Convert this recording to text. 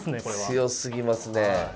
強すぎますね。